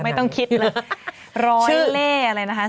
ไม่ต้องคิดเลยร้อยเล่อะไรนะคะ